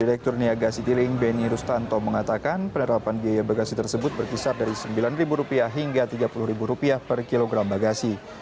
direktur niaga citylink beni rustanto mengatakan penerapan biaya bagasi tersebut berkisar dari rp sembilan hingga rp tiga puluh per kilogram bagasi